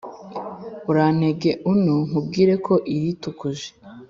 Urantege ano nkubwire ko iritukuje